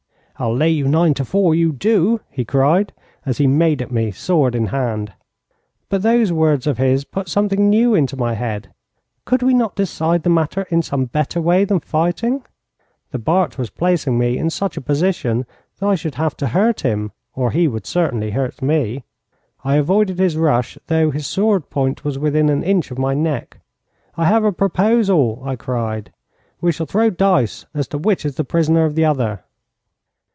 'I'll lay you nine to four you do,' he cried, as he made at me, sword in hand. But those words of his put something new into my head. Could we not decide the matter in some better way than fighting? The Bart was placing me in such a position that I should have to hurt him, or he would certainly hurt me. I avoided his rush, though his sword point was within an inch of my neck. 'I have a proposal,' I cried. 'We shall throw dice as to which is the prisoner of the other.'